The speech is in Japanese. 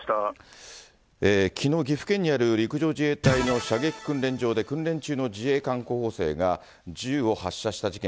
きのう、岐阜県にある射撃訓練場で訓練中の自衛官候補生が銃を発射した事件。